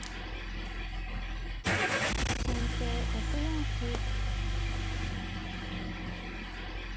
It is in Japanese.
先手６四歩。